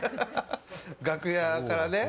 楽屋からね。